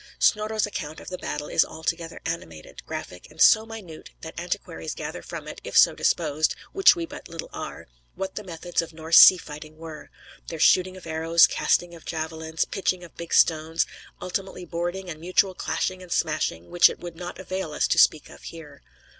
Snorro's account of the battle is altogether animated, graphic, and so minute that antiquaries gather from it, if so disposed (which we but little are), what the methods of Norse sea fighting were; their shooting of arrows, casting of javelins, pitching of big stones, ultimately boarding, and mutual clashing and smashing, which it would not avail us to speak of here.